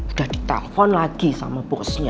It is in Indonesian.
sudah ditelepon lagi sama bosnya